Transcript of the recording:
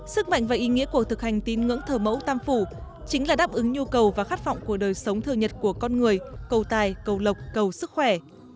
sức mạnh và ý nghĩa của thực hành tín ngưỡng thờ mẫu tam phủ chính là đáp ứng nhu cầu và khát vọng của đời sống thường nhật của con người cầu tài cầu lộc cầu sức khỏe